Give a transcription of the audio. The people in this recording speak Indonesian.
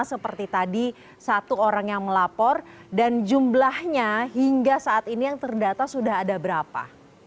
seperti tadi satu orang yang melapor dan jumlahnya hingga saat ini yang terdata sudah ada berapa